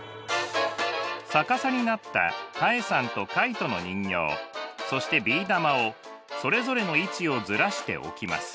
逆さになったタエさんとカイトの人形そしてビー玉をそれぞれの位置をずらして置きます。